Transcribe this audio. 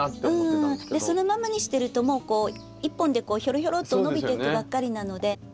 そのままにしてるともう一本でひょろひょろっと伸びていくばっかりなので。